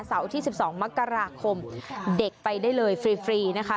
ที่๑๒มกราคมเด็กไปได้เลยฟรีนะคะ